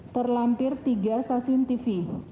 terlampir tiga stasiun tv